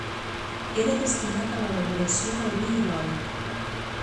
Era destinat a l'elaboració del vi i l'oli.